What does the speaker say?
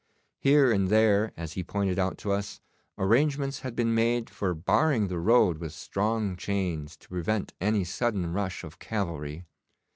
Here and there, as he pointed out to us, arrangements had been made for barring the road with strong chains to prevent any sudden rush of cavalry.